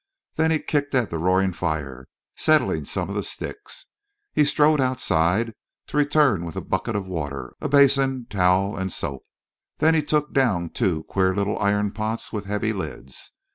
Then he kicked at the roaring fire, settling some of the sticks. He strode outside to return with a bucket of water, a basin, towel, and soap. Then he took down two queer little iron pots with heavy lids.